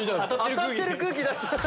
当たってる空気出した。